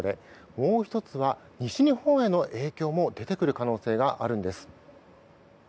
もう１つは西日本への影響も出てくる可能性があるんです。